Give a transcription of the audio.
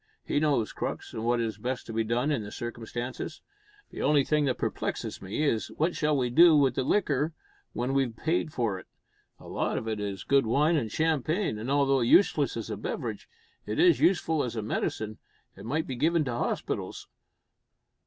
He knows Crux, and what is best to be done in the circumstances. The only thing that perplexes me, is what shall we do with the liquor when we've paid for it? A lot of it is good wine and champagne, and, although useless as a beverage, it is useful as a medicine, and might be given to hospitals."